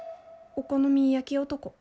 お好み焼き男。